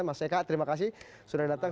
mas eka terima kasih sudah datang